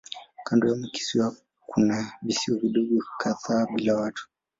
Kando ya kisiwa kikuu kuna visiwa vidogo kadhaa bila watu.